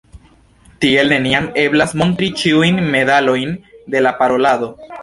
Tiel neniam eblas montri ĉiujn detalojn de la parolado.